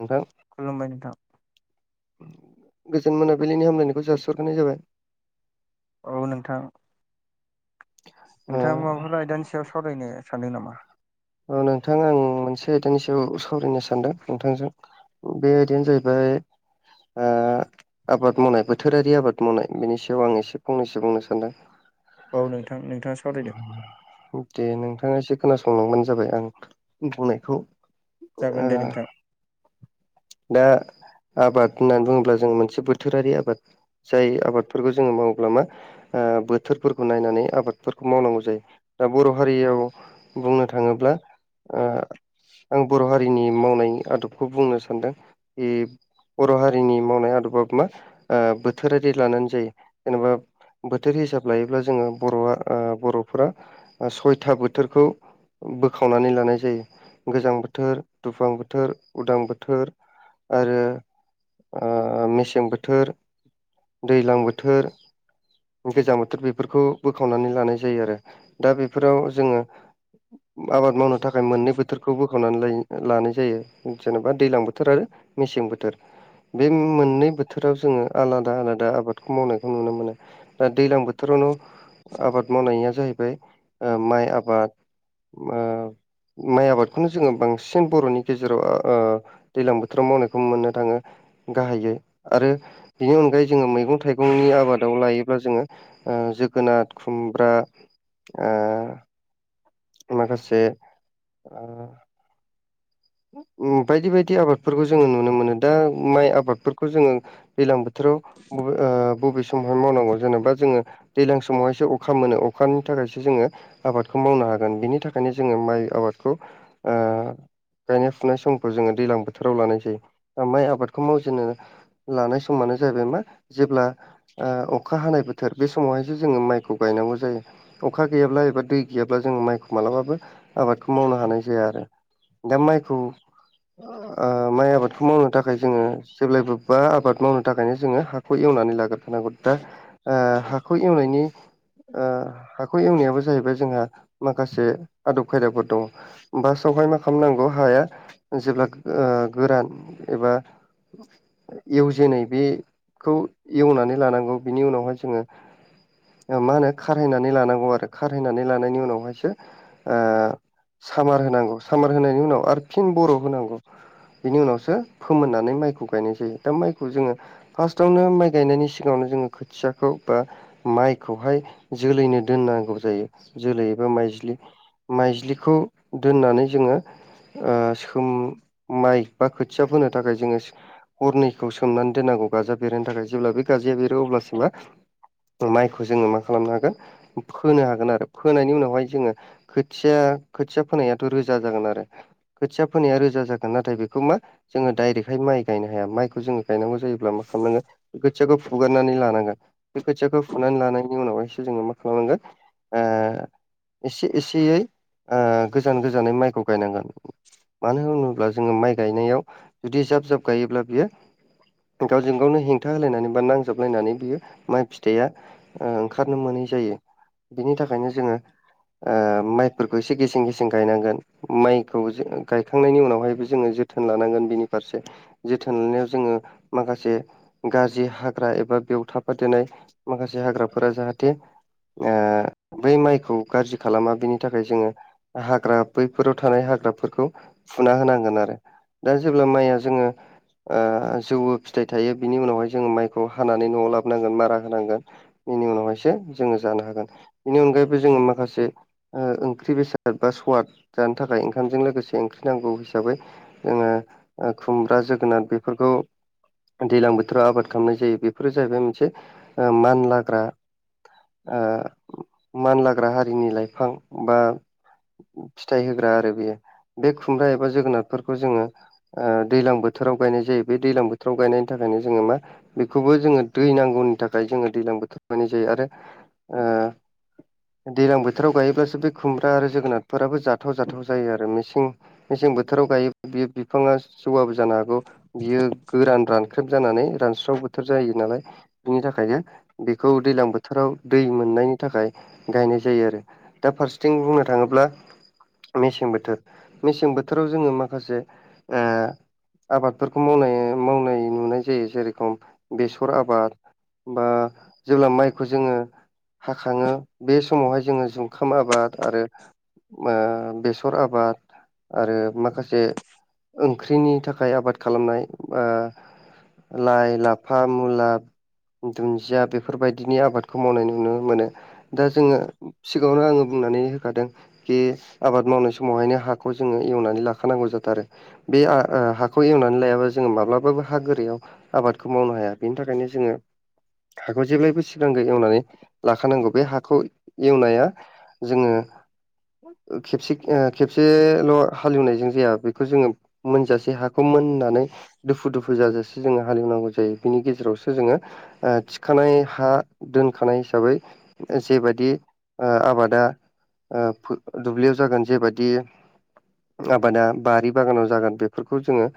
नोंथां खुलुमबाय नोंथां। गोजोन मोनाबिलिनि हामलायनायखौ जासिहरग्रोनाय जाबाय। औ नोंथां। नोंथांङा माबाफोर आयदा नि सायाव सावरायनो सानदों नामा? ओ नोंथां आं मोनसे [unintelligible] सायाव सावरायनो सानदों। नोंथांजों बे आयदायानो जाहैबाय ओ आबाद मावनाय बोथोरारि आबाद मावनाय बेनि सायाव आं एसे फंनैसो बुंनो सानदों। औ नोंथां नोंथाङा सावरायदों। दे नोंथाङा एसे खोनासंलांबानो जाबाय आं बुंनायखौ। जागोन दे नोंथां। दा आबाद होननानै बुङोब्ला जों मोनसे बोथोरारि आबाद जाय आबाद-' [unintelligible] जोङो मावोब्ला मा ओ बोथोरफोरखौ नायनानै आबादफोरखौ मावनांगौ जायो दा बर' हारियाव। बुंनो थाङोब्ला ओ आं बर' हारिनि मावनायनि आदबखौ बुंनो सान्दों। एब बर' हारिनि मावनाय आदबाबो मा? ओ बोथोरारि लानानै जायो जेनेबा बोथोर हिसाब लायोब्ला जोङो बर'आ ओ बर'फोरा सयथा बोथोरखौ बोखावनानै लानाय जायो गोजां बोथोर दुफां बोथोर उदां बोथोर। आरो ओ मेसें बोथोर दैज्लां बोथोर गोजां बोथोर बेफोरखौ बोखावनानै लानाय जायो आरो दा बेफोराव जोङो आबाद मावनो थाखाय मोननै बोथोरखौ बोखावनानै लाइन लानाय जायो जेनेबा दैलां बोथोर [unintelligible] मेसें बोथोर। बे मोननै बोथोराव जोङो आलादा आलादा आबादखौ मावनायखौ नुनो मोनो। ओ दैलां बोथोरावनो आबाद मावनाया जाहैबाय माइ आबाद। मो माइ आबादखौनो जोङो बांसिन बर'नि गेजेराव ओ दैलां बोथोराव मावनायखौ मोननो थाङो गाहाययै आरो बेनि अनगायै जोङो मैगं थाइगं। [unintelligible] आबादाव लायोब्ला जोङोओ जोगोनार खुमब्रा ओ माखासे ओ ओम बायदि बायदि आबादफोरखौ जोङो नुनो मोनो दा माइ आबादफोरखौ जोङो। दैलां बोथोराव बबे ओ बबे समावहाय मावनांगौ जेनेबा जोङो दैज्लां समावहायसो अखा मोनो अखानि थाखायसो जोङो आबादखौ मावनो हागोन बिनि थाखायनो जोङो माइ आबादखौ ओ गायनाय फुनाय समखौ जोङो दैज्लां बोथोराव लानाय जायो माइ आबादखौ मावजेननो लानाय समानो जाहैबाय मा जेब्ला ओ अखा हानाय बोथोर बे समावहायसो जोङो माइखौ गायनांगौ जायो। अखा गैयाब्ला एबा दै गैयाब्ला जोंङो माइखौ मालाबाबो आबादखौ मावनो हानाय जाया आरो। दा माइखौ आ ओ माइ आबादखौ मावनो थाखाय जोङो जेब्लायबो बा आबाद मावनो थाखायनो जोङो हा [unintelligible] एवनानै लाग्रो फिननांगौ दा ओ हाखौ एवनायनि ओ हाखौ एवनायाबो जाहैबाय जोंहा माखासे आदब खायदाफोर दङ। बासाआव हाय मा खामनांगौ हाया जेब्ला ओ गोरान एबा एवजेेनै बेखौ एवनानै लानांगौ बेनि उनावहाय जोङो मा होनो खारहैनानै लानांगौ आरो खारहैनानै लानायनि उनावहायसो ओ सामार होनांगौ सामार होनायनि उनाव आरो फिन बर होनांगौ। बिनि उनावसो फोमोननानै माइखौ गायनाय जायो दा माइखौ जोङो फार्स्टआवनो माइ गायनायनि सिगाङावनो जोङो खोथियाखौ बा माइखौहाय जोलैनो दोननांगौ जायो जोलै एबा माइज्लि माइज्लिखौ दोननानै [unintelligible] ओ सोमनाइ बा खोथिया फोनो थाखाय जोङो हरनैखौ सोमनानै दोननांगौ गाजा बेरहोनो थाखाय जेब्ला बे गाजाया बेरो अब्लासो मा माइखौ जोङो मा खालामनो हागोन फोनो हागोन आरो फोनायनि उनावहाय जोङो खोथिया खोथिया फोनायाथ रो रोजा जागोन आरो खोथिया फोनाया रोजा जागोन नाथाय बिखौ मा जोङो दायरेक है माय गायनो हाया माइखौ जोङो गायनांगौ जायोब्ला मा खालामनांगोन खोथियाखौ फुग्रोनानै लानांगोन। बे खोथियाखौ फुनानै लानायनि उनावहायसो जोङो मा खालामनांगोन। ओ एसे एसेयै गोजान गोजानै माइखौ गायनांगोन। मानो होनोब्ला जोङो माइ गायनायाव बिदि जाब जाब गायोब्ला बियो गावजों गावनो हेंथा होलायनानै बा नांजाबलायनानै बियो माइ फिथाइया ओं ओंखारनो मोनै जायो। बिनि थाखायनो जोङो ओ माइफोरखौ एसे गेसें गेसें गायनांगोन माइखौ गायखांनायनि उनावहायबो जोङो जोथोन लानांगोन बिनि फारसे। जोथोन लानायाव जोङो माखासे गाज्रि हाग्रा एबा बेयाव थाफा देनाय माखासे हाग्राफोरा जाहाथे ओ बै माइखौ गाज्रि खालामा बिनि थाखाय जोङो हाग्रा बैफोराव थानाय हाग्राफोरखौ फुना होनांगोन आरो। दा जेब्ला माइया जोङो ओ जौवो फिथाइ थायो बिनि उनावहाय जोङो माइखौ हानानै न'आव लाबोनांगोन मारा होनांगोन। बेनि उनावहायसो जोङो जानो हागोन। बेनि अनगायैबो जोङो माखासे ओंख्रि बेसाद स बा स्वाद जानो थाखाय ओंखामजों लोगोसे ओंख्रि नांगौ हिसाबै जोङो खुमब्रा जोगोनार बेफोरखौ दैज्लां बोथोराव आबाद खालामनाय जायो बेफोरो जाहैबाय मोनसे ओ मान लाग्रा ओ मानलाग्रा हारिनि लाइफां बा फिथाइ होग्रा आरो बेयो बे खुमब्रा एबा जोगोनारफोरखौ जोङो ओ दैलां बोथोराव गायनाय जायो बे दैलां बोथोराव गायनायनि थाखायनो जोङो मा? बेखौबो जोङो दै नांगौनि थाखाय जोङो दैज्लां बोथोर बनाय जायो आरो ओ दैलां बोथोराव गायोब्लासो बे खुमब्रा आरो जोगोनार फोराबो जाथाव जाथाव जायो आरो मेसिं मेसें बोथोराव गायो बेयो बिफाङा जौवाबो जानो हागौ बियो गोरान रान गाख्रेब जानानै रानस्राव बोथोर जायो नालाय बिनि थाखायनो बेखौ दैजलां बोथोराव दै मोननायनि थाखाय गायनाय जायो आरो दा फा रसेथिं बुंनो थाङोब्ला मेसें बोथोर मेसें बोथोराव जोङो माखासे ओ आबादफोरखौ मावनाय मावनाय नुनाय जायो जेरखम बेसर आबाद बा जेब्ला माइखौ जोङो हाखङो बे समावहाय जोङो जुखाम आबाद आरो ओ बेसर आबाद आरो माखासे ओंख्रिनि थाखाय आबाद खालामनाय बा लाइ लाफा मुला दुन्दिया बेफोरबायदिनि आबादखौ मावनाय नुनो मोनो दा जोङो सिगाङावनो आङो बुंनानै होखादों बे आबाद मावनाय समावहायनो हाखौ जोङो एवनानै लाखानांगौ जाथारो बे हाखौ एवनानै लायाबा जोङो माब्लाबाबो हा गोरायाव आबादखौ मावनो हाया बेनि थाखायनो जोङो हाखौ जेब्लायबो सिगांगो एवनानै लाखानांगौ बे हाखौ एवनाया जोङो खेबसे खेबसेल' हालेवनायजों जाया बेखौ जोङो मोनजासेै हाखौ मोननानै दुफु दुफु जाजासे जोङो हालेवनांगौ जायो बिनि गेजेरावसो जोङो थिखानाय हा दोनखानाय हिसाबै जेबायदि ओ आबादा दुब्लियाव जागोन जेबायदि आबादा बारि बागानाव जागोन बेफोरखौ जोङो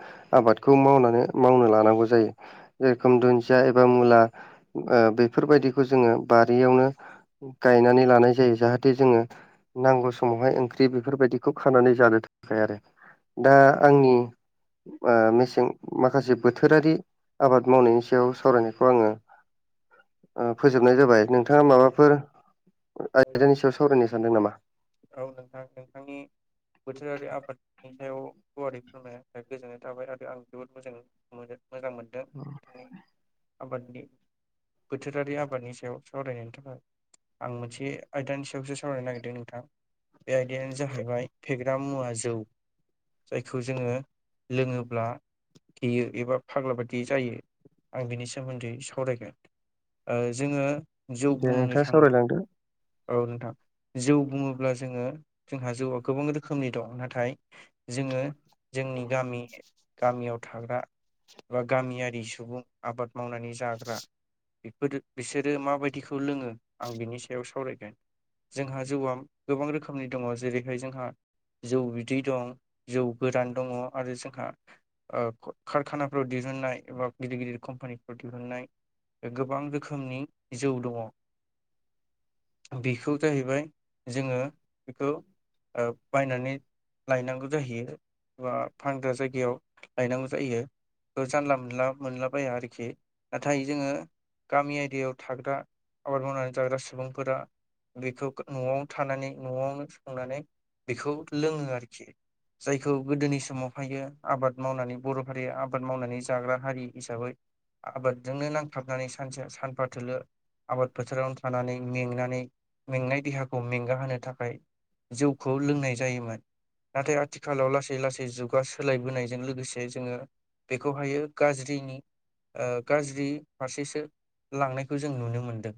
आबादखौ मावनानै मावनो लानांगौ जायो। जेरखम दुन्दिया एबा मुला बेफोरबायदिखौ जोङो बारियावनो गायनानै लानाय जायो जाहा जाहाथे जोङो नांगौ समावहाय ओंख्रि बेफोरबायदिखौ खानानै जानो थाखाय आरो। दा आंनि मेसें माखासे बोथोरारि आबाद मावनायनि सायाव सावरायनायखौ आङो ओ फोंजोबनाय जाबाय नोंथाङा माबाफोर आयदानि सायाव सावरायनो सानदों नामा? औ नोंथां नोंथांनि बोथोरारि आबादनि सायाव गुवारै फोरमायनायनि थाखाय गोजोन्नाय थाबाय आरो आं जोबोद मोजां मोनो मोजां मोनदों नोंथांनि आबादनि बोथोरारि आबादनि सायाव सावरायनायनि थाखाय आं मोनसे आयदानि सायावसो सावरायनो नागिरदों नोंथां। बे आयदायानो जाहैबाय फेग्रा मुवा जौ। जायखौ जोङो लोङोब्ला बेयो एबा फाग्ला बायदि जायो आं बिनि सोमोन्दै सावरायगोन। ओ जोङो जौ दे बुंनो नोंथाङा थाङो सावरायलांदो औ नोंथां जौ बुङो ब्ला जोङो जोंहा जौआ गोबां रोखोमनि दं नाथाय जोङो जोंनि गामि गामियाव थाग्रा बा गामियारि सुबुं आबाद मावनानै जाग्रा। बेफोरो बिसोरो माबायदिखौ लोङो आं बिनि सायाव सावरायगोन। जोंहा जौआ गोबां रोखोमनि दङ जेरैहाय जोंहा जौ बि दै दं जौ गोरान दङ आरो जोंहा ओ कारखानाफ्राव दिहुननाय एबा गिदिर गिदिर कम्पानिफ्राव दिहुननाय गोबां रोखोमनि जौ दङ बेफोर जाहैबाय जोङो बेखौ ओ बायनानै लायनांगौ जाहैयो। बा फानग्रा जायगायाव लायनांगौ जायो। बेखौ जानला मोनला मोनलाबाया आरोखि नाथाय जोङो गामि एरियायाव थाग्रा आबाद मावनानै जाग्रा सुबुंफोरा बेखौ न'आव थानानै न'आवनो संनानै बेखौ लोङो आरोखि जायखौ गोदोनि समाव बेखायनो आबाद मावनानै बर' हारिया आबाद मावनानै जाग्रा हारि हिसाबै आबादजोंनो नांथाबनानै सानसे सानफा थोलो आबाद फोथारावनो थानानै मेंनानै मेंनाय देहा खौ मेंगा होनो थाखाय जौखौ लोंनाय जायोमोन नाथाय आथि खालाव लासै लासै जुगा सोलायबोनायजों लोगोसे जोङो बेखौहायो गाज्रिनि ओ गाज्रि फारसेसो लांनायखौ जों नुनो मोनदों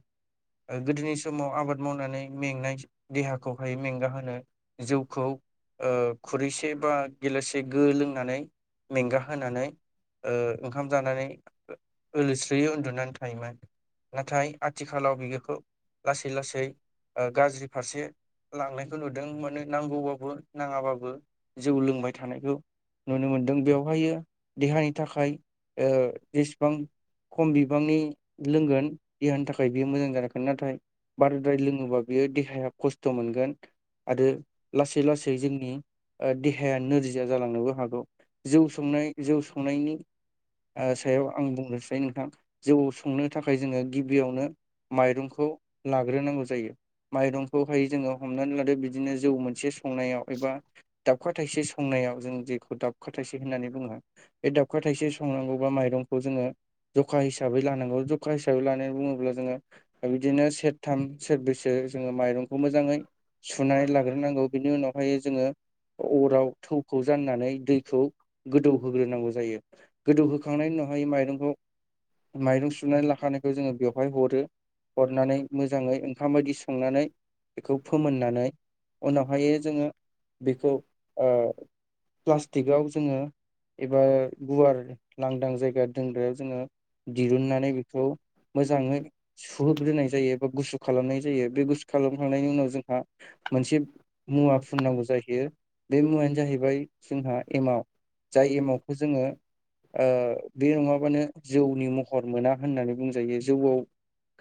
ओ गोदोनि समाव आबाद मावनानै मेंनाय देहाखौहाय मेंगा होनो जौखौ ओ खुरैसे बा गिलासे गो लोंनानै मेंगा होनोनानै ओ ओंखाम जानानै ओलोस्रोयै उन्दुनानै थायोमोन। नाथाय आथिखालाव बिखौ लासै लासै ओ गाज्रि फारसे लांनाय खौ नुदों मोनो नांगौबाबो नाङाबाबो जौ लोंबाय थानायखौ। नुनो मोनदों बेवहायो देहानि थाखाय ओ जेसेबां खम बिबांनि लोंगोन देहानि थाखाय बियो मोजां जागोन नाथाय बाराद्राय लोङोबा बियो देहाया खस्थ' मोनगोन आरो लासै-लासै जोंनि ओ देहाया नोरजिया जिया जालांनोबो हागौ जौ संनाय जौ संनायनि आ सायाव आं बुंनोसै नोंथां जौ संनो थाखाय जोङो गिबियावनो माइरंखौ लाग्रोनांगौ जायो माइरंखौहाय जोङो हमनानै लादो बिदिनो जौ मोनसे संनायाव एबा दाबखा थाइसे संनायाव जों जेखौ दाबखा थाइसे होननानै बुङो। बे दाबखा थाइसे संनांगौबा माइरंखौ जोङो जखा हिसाबै लानांगौ जखा हिसाबै लानानै बुङोब्ला जोङो बिदिनो सेरथाम सेरब्रैसो ओ जोङो माइरंखौ मोजाङै सुनानै लाग्रोनांगौ बिनि उनावहाय जोङो अराव थौखौ जाननानै दैखौ गोदौ होग्रोनांगौ जायो। गोदौ होखांनायनि उनावहाय माइरंखौ माइरं सुनानै लाखानायखौ जोङो बेवहाय हरो हरनानै मोजाङै ओंखाम बायदि संनानै बेखौ फोमोननानै उनावहायो जोङो बेखौ ओ प्लास्टिकआव जोङो एबा गुवार लांदां जायगा दोनग्रायाव जोङो दिरुननानै बेखौ मोजाङै सुहोग्रोनाय जायो बा गुसु खालामनाय जायो। बे गुसु खालामखांनायनि उनाव जोंहा मोनसे मुवा फुननांगौ जाहैयो बे मुवायानो जाहैबाय जोंहा एमाव‌। जाय एमावखौ जोङो बे नङाबानो जौनि महर मोना होननानै बुंजायो जौआव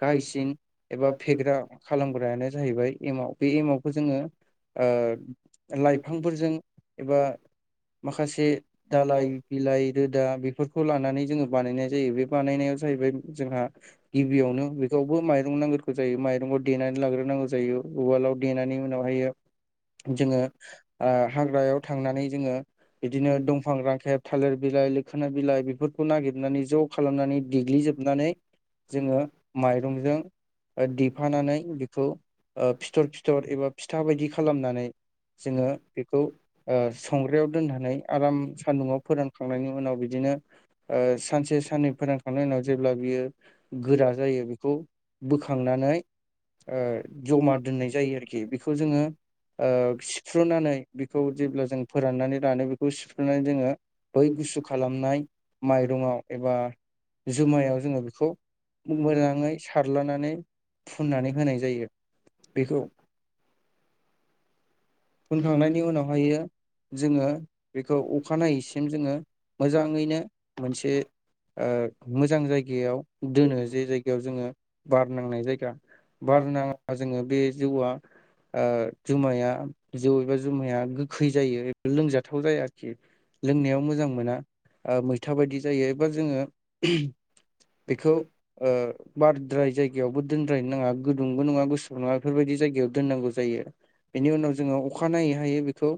गाहायसिन एबा फेग्रा खालामग्रायानो जाहैबाय एमाव बे एमावखौ जोङो ओ लाइफांफोरजों एबा माखासे दलाइ बिलाइ रोदा बेफोरखौ लानानै जोङो बानायनाय जायो बे बानायनायाव जाहैबाय जोंहा गिबियावनो बेखौबो माइरं नांग्रोगौ जायो माइरंखौ देनानै लाग्रोनांगौ जायो उवालाव देनायनि उनाव हायो जोङो ओ हाग्रायाव थांनानै जोङो बिदिनो दंफां रांखेब थालिर बिलाइ लोखोना बिलाइ बेफोरखौ नागिरनानै ज' खालामनानै देग्लिजोबनानै जोङो माइरंजों ओ देफानानै बेखौ ओ फिथर फिथर एबा फिथा बायदि खालामनानै जोङो बेखौ ओ संग्राययाव दोननानै आराम सान्दुंआव फोरान खांनायनि उनाव बिदिनो ओ सानसे साननै फोरोनखांनायनि उनाव जेब्ला बियो गोरा जायो बेखौ बोखांनानै ओ जमा दोननाय जायो आरोखि बेखौ जोङो ओ सिफ्रुनानै बेखौ जेब्ला जों फोराननानै रानो बे खौ सिुफ्रुनानै जोङो बै गुसु खालामनाय माइरङाव एबा जुमायाव जोङो बेखौ मोजाङै सारलानानै फुननानै होनाय जायो बेखौ [inaudible] फुनखांनायनि उनाव हाययो जोङो बेखौ अखानायैसिम जोङो मोजाङैनो मोनसे ओ मोजां जायगायाव दोनो जे जायगायाव जोङो बार नांनाय जायगा बार नाङा जोङो बे जौआ ओ जुमाया जौ एबा जुमाया गोखै जायो एबा लोंजाथाव जाया आरोखि। लोंनायाव मोजां मोना ओ मैथा बायदि जायो एबा जोङो बेखौ ओ बाराद्राय जायगायावबो दोनद्रायनो नाङा। गुदुंबो नङा गुसु नङा बेफोरबायदि जायगायाव दोननांगौ जायो। बेनि उनाव जोङो अखानायनायै हायो बेखौ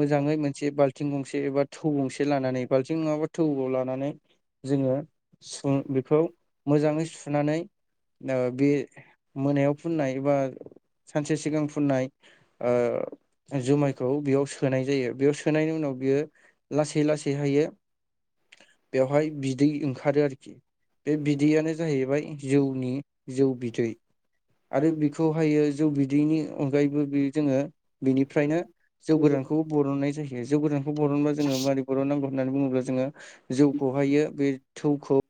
मोजाङै मोन से बाल्थिं गंसे एबा थौ गंसे लानानै बाल्थिं नङाबा थौआव लानानै जोङो सु बेखौ मोजाङै सुनानै ओ बे मोनायाव फुननाय एबा सानसे सिगां फुननाय ओ जुमायखौ बेयाव सोनाय जायो बेयाव सोनायनि उनाव बियो लासै लासै हाययो बेवहाय बिदै ओंखारो आरोखि। बे बिदैयानो जाहैबाय जौनि जौ बिदै आरो बिखौ हाययो जौ बिदैनि अनगायैबो बे जोङो बिनिफ्रायनो जौ गोरानखौ बरननाय जायो। जौ गोरानखौ बरनबा जोङो मारै बरन नांगौ होननानै बुङोब्ला जोङो जौखौहायो बे थौखौ